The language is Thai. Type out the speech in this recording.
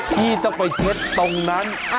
พี่ต้องไปเช็ดตรงนั้น